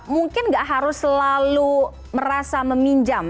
mungkin nggak harus selalu merasa meminjam